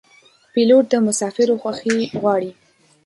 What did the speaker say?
پیلوټ د مسافرو خوښي غواړي.